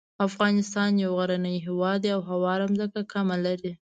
افغانستان یو غرنی هیواد دی او هواره ځمکه کمه لري.